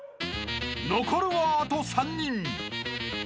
［残るはあと３人］